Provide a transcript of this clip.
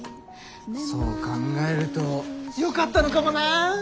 そう考えるとよかったのかもな。